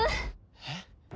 えっ？